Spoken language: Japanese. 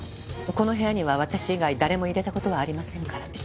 この部屋には私以外誰も入れた事はありませんから。